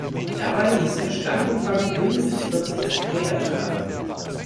Dabei muss der Stammumfang mindestens vierzig Zentimeter betragen.